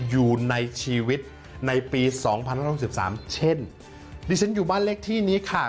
อยู่ในชีวิตในปี๒๕๑๓เช่นดิฉันอยู่บ้านเลขที่นี้ค่ะ